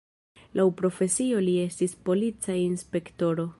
Laŭ profesio li estis polica inspektoro.